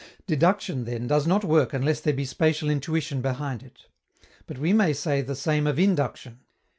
Deduction, then, does not work unless there be spatial intuition behind it. But we may say the same of induction.